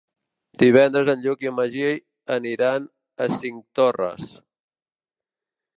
Divendres en Lluc i en Magí aniran a Cinctorres.